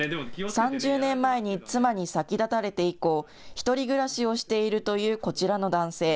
３０年前に妻に先立たれて以降、１人暮らしをしているというこちらの男性。